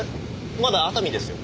まだ熱海ですよ。